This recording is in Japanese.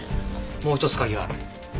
もう１つ鍵がある。